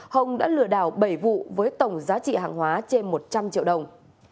hồng đã lừa đảo bảy vụ với tổng giá trị hàng hóa trên một trăm linh triệu đồng